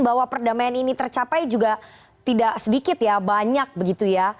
bahwa perdamaian ini tercapai